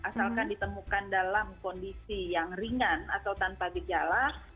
asalkan ditemukan dalam kondisi yang ringan atau tanpa gejala